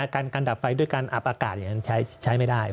การดับไฟด้วยการอับอากาศอย่างนั้นใช้ไม่ได้